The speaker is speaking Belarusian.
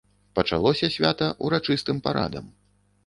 Пачалося свята ўрачыстым парадам.